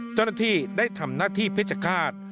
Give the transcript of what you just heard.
เจ้าหน้าที่ได้ทำหน้าที่พิจภาษณ์